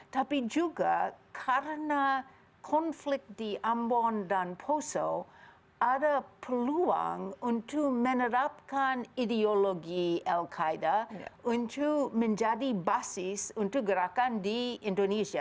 tapi juga karena konflik di ambon dan poso ada peluang untuk menerapkan ideologi al qaeda untuk menjadi basis untuk gerakan di indonesia